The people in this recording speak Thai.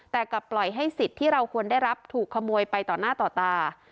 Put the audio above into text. แต่กลับปล่อยให้สิทธิ์ที่เราควรได้รับถูกขโมยไปต่อหน้าต่อตา